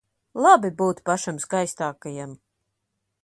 Labi būt pašam skaistākajam.